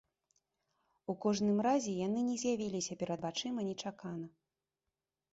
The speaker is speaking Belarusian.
У кожным разе яны не з'явіліся перад вачыма нечакана.